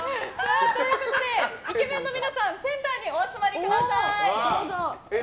イケメンの皆さんセンターにお集まりください。